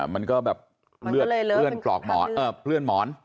มันก็แบบเลือดเพื่อนหมอน